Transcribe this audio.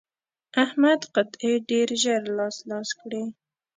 احمد قطعې ډېر ژر لاس لاس کړې.